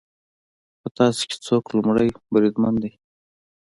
په تاسو کې څوک لومړی بریدمن دی